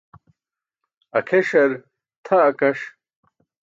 Akʰeṣar tʰa akaṣ.